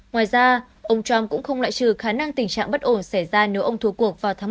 ngoài ra ông trump cũng không loại trừ khả năng tình trạng bất ổn xảy ra nếu ông thua cuộc vào tháng một mươi một